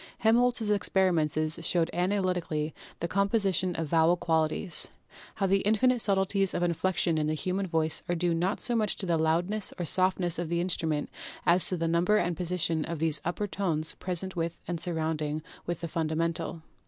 Helmholtz's experiments showed analytically the composi tion of vowel qualities, how the infinite subtleties of inflec tion in the human voice are due not so much to the loud ness or softness^ of the instrument as to the number and position of these upper tones present with and sounding with the fundamental.